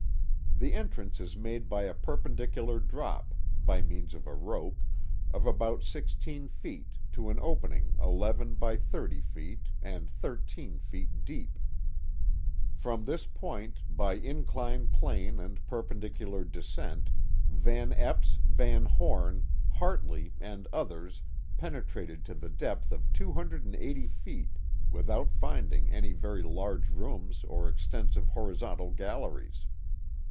The entrance is made by a perpendicular drop, by means of a rope, of about 16 feet, to an opening 11 by 30 feet and 13 feet deep. From this point, by incline plane and per pendicular descent, Van Epps, Van Home, Hartley, and others penetrated to the depth of 280 feet without finding any very large rooms or extensive horizontal galleries.